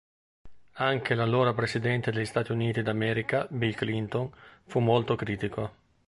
Anche l'allora presidente degli Stati Uniti d'America Bill Clinton fu molto critico.